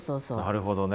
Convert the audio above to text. なるほどね。